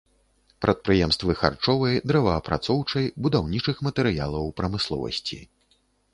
Прадпрыемствы харчовай, дрэваапрацоўчай, будаўнічых матэрыялаў прамысловасці.